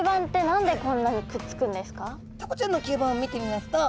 タコちゃんの吸盤を見てみますと